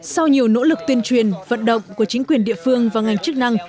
sau nhiều nỗ lực tuyên truyền vận động của chính quyền địa phương và ngành chức năng